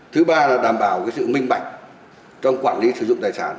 thứ ba là đảm bảo sự minh bạch trong quản lý sử dụng tài sản